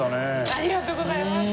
ありがとうございます。